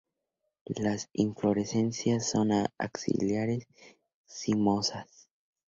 Las inflorescencias son axilares, cimosas.